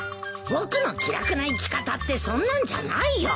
僕の気楽な生き方ってそんなんじゃないよ！